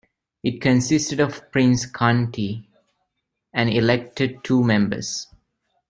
It consisted of Prince County, and elected two members.